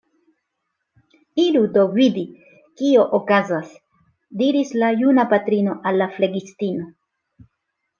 Iru do vidi, kio okazas, diris la juna patrino al la flegistino.